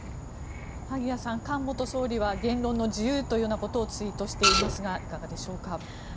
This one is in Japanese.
萩谷さん、菅元総理は言論の自由というようなことをツイートしていますがいかがでしょうか。